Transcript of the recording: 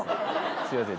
すいません